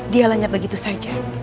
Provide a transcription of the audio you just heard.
dia hanya begitu saja